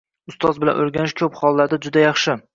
Ustoz bilan o’rganish ko’p hollarda juda yaxshi